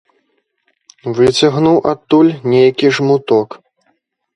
Выцягнуў адтуль нейкі жмуток.